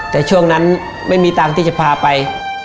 แต่ช่วงนั้นไม่มีตังค์ที่จะพาไป